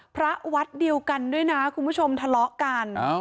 พระวัดเดียวกันด้วยนะคุณผู้ชมทะเลาะกัน